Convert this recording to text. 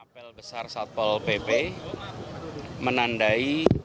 apel besar satpol pp menandai